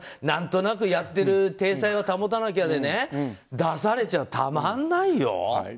何となくやっている体裁は保たなきゃで出されちゃたまんないよ。